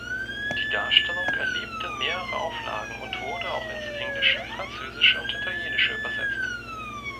Die Darstellung erlebte mehrere Auflagen und wurde auch ins Englische, Französische und Italienische übersetzt.